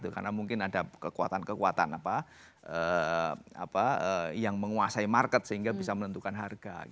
karena mungkin ada kekuatan kekuatan yang menguasai market sehingga bisa menentukan harga